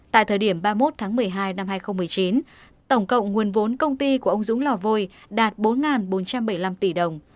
tại thời điểm ba mươi một tháng một mươi hai năm hai nghìn một mươi chín tổng cộng nguồn vốn công ty của ông dũng lò vôi đạt bốn bốn trăm bảy mươi năm tỷ đồng